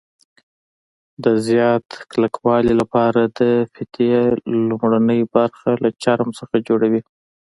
د زیات کلکوالي لپاره د فیتې لومړنۍ برخه له چرم څخه جوړوي.